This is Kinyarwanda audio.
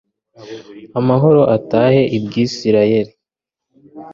amahoro atahe i bwisirayeli